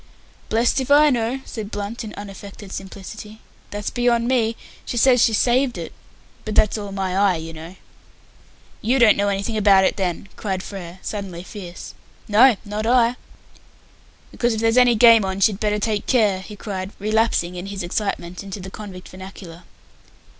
"Blest if I know!" said Blunt, in unaffected simplicity. "That's beyond me. She says she saved it. But that's all my eye, you know." "You don't know anything about it, then?" cried Frere, suddenly fierce. "No, not I." "Because, if there's any game on, she'd better take care," he cried, relapsing, in his excitement, into the convict vernacular.